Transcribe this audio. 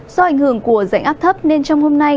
do ảnh hưởng của dạnh áp thấp nên trong hôm nay